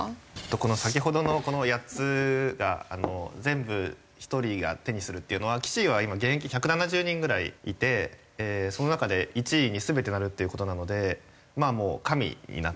この先ほどのこの８つが全部一人が手にするというのは棋士は今現役１７０人ぐらいいてその中で１位に全てなるっていう事なのでもう神になったみたいな感じ。